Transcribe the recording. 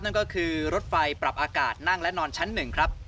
นั่นก็คือรถไฟปรับอากาศนั่งและนอนชั้น๑ครับ